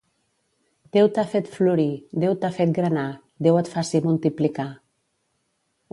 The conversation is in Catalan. Déu t'ha fet florir, Déu t'ha fet granar, Déu et faci multiplicar.